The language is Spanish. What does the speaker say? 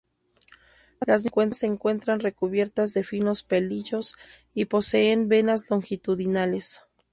Las mismas se encuentran recubiertas de finos pelillos, y poseen venas longitudinales.